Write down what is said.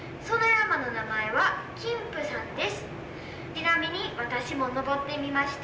「ちなみに私も登ってみました」。